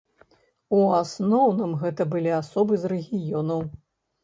У асноўным гэта былі асобы з рэгіёнаў.